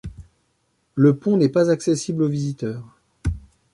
Le pont n'est pas accessible aux visiteurs.